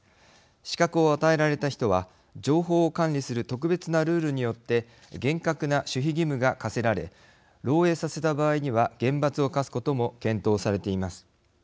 資格を与えられた人は情報を管理する特別なルールによって厳格な守秘義務が課せられ漏えいさせた場合には厳罰を科すことも検討されています。